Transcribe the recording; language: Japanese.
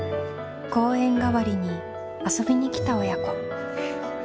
代わりに遊びに来た親子。